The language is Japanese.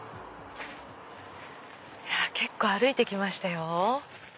結構歩いてきましたよ。